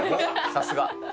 さすが。